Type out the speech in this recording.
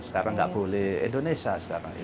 sekarang nggak boleh indonesia sekarang ini